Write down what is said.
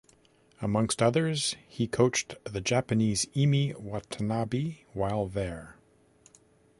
Amongst others, he coached the Japanese Emi Watanabe while there.